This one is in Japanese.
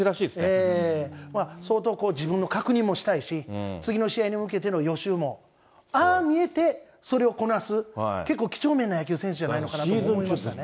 相当自分の確認もしたいし、次の試合に向けての予習も、ああ見えて、それをこなす、結構几帳面な野球選手じゃないかなと思いましたね。